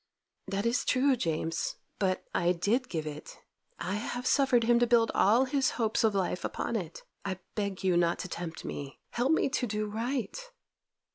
'That is true, James; but I did give it. I have suffered him to build all his hopes of life upon it. I beg you not to tempt me. Help me to do right.